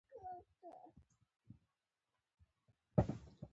ازادي راډیو د تعلیم د پرمختګ په اړه هیله څرګنده کړې.